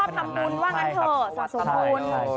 เป็นคนที่ชอบทำบุญว่าเงินเถอะสมสมบุญ